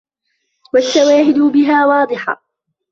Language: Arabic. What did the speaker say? وَالشَّوَاهِدَ بِهَا وَاضِحَةٌ